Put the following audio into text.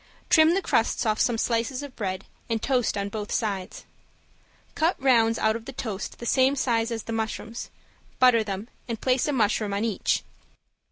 Trim the crusts off some slices of bread and toast on both sides. Cut rounds out of the toast the same size as the mushrooms, butter them and place a mushroom on each.